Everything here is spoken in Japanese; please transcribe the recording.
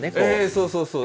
そうそうそう。